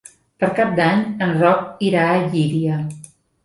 Per Cap d'Any en Roc irà a Llíria.